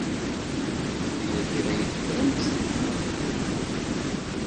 Yella kra i teffremt.